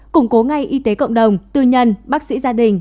củng cố ngay y tế cộng đồng tư nhân bác sĩ gia đình